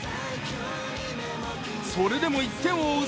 それでも１点を追う